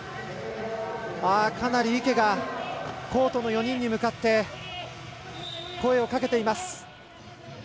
かなり池がコートの４人に向かって声をかけています。